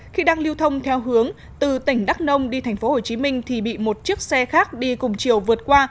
khi đang lưu thông theo hướng từ tỉnh đắk nông đi tp hcm thì bị một chiếc xe khác đi cùng chiều vượt qua